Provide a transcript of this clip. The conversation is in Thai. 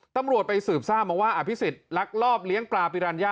ตำรวจไปสืบทราบมาว่าอภิษฎลักลอบเลี้ยงปลาปิรัญญา